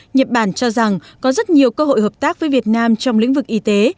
nhật bản cho rằng có rất nhiều cơ hội hợp tác với việt nam trong lĩnh vực y tế